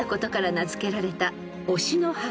名付けられた］